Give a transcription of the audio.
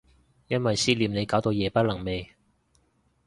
因為思念你搞到夜不能寐